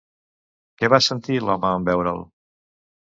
Què va sentir l'home en veure'l?